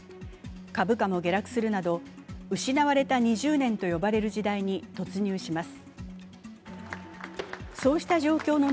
株価も下落するなど失われた２０年と呼ばれる時代に突入します。